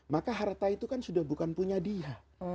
maka harta itu kan sudah bukan punya dia